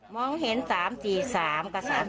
มองเห็น๓๔๓กับ๓๔๗นะคะ